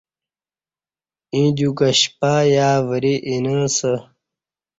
ییں دیو کہ شپہ یا وری اینہ اسہ